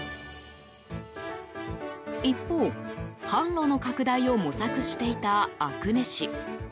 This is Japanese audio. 一方、販路の拡大を模索していた阿久根市。